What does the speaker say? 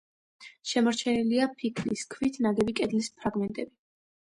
შემორჩენილია ფიქლის ქვით ნაგები კედლის ფრაგმენტები.